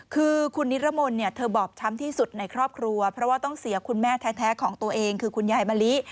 คือคุณนิรมนต์เนี่ยเธอบอบช้ำที่สุดในครอบครัวเพราะว่าต้องเสียคุณแม่แท้ของตัวเองคือคุณยายมะลิ